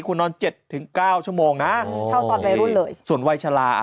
คุณนอนเจ็ดถึงเก้าชั่วโมงนะเท่าตอนวัยรุ่นเลยส่วนวัยชะลาอ่ะ